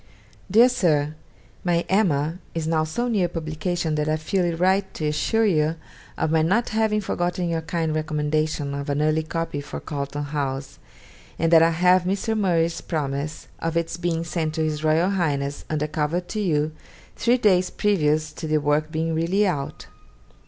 'DEAR SIR, My "Emma" is now so near publication that I feel it right to assure you of my not having forgotten your kind recommendation of an early copy for Carlton House, and that I have Mr. Murray's promise of its being sent to His Royal Highness, under cover to you, three days previous to the work being really out.